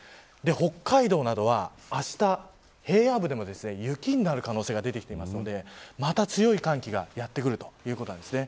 北海道などはあした、平野部でも雪になる可能性が出てきていますのでまた強い寒気がやってくるということです。